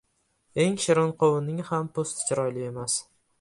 • Eng shirin qovunning ham po‘sti chiroyli emas.